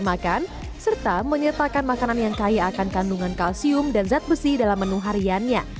makan serta menyertakan makanan yang kaya akan kandungan kalsium dan zat besi dalam menu hariannya